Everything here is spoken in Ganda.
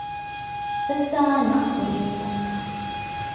Tosaana kulimba.